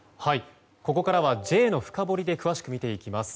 ここからはＪのフカボリで詳しく見ていきます。